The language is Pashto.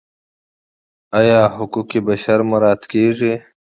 آیا حقوق بشر مراعات کیږي؟